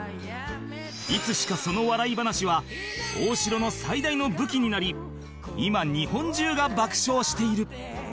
いつしかその笑い話は大城の最大の武器になり今日本中が爆笑している